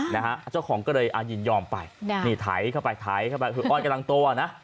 นะฮะเจ้าของก็เลยยินยอมไปนี่ไถเข้าไปไถเข้าไปคืออ้อยกำลังตัวนะ